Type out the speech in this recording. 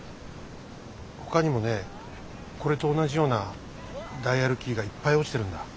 ほかにもねこれと同じようなダイヤルキーがいっぱい落ちてるんだ。